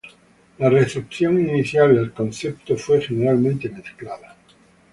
La recepción inicial al concepto fue generalmente mezclada.